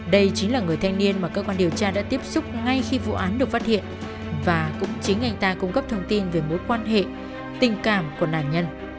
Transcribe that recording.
đây chính là người thanh niên mà cơ quan điều tra đã tiếp xúc ngay khi vụ án được phát hiện và cũng chính anh ta cung cấp thông tin về mối quan hệ tình cảm của nạn nhân